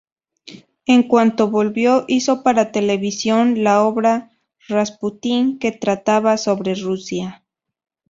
En cuanto volvió hizo para televisión la obra "Rasputín", que trataba sobre Rusia.